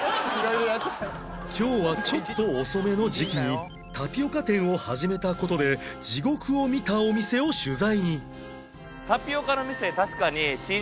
今日はちょっと遅めの時期にタピオカ店を始めた事で地獄を見たお店を取材に